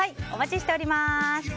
お待ちしております。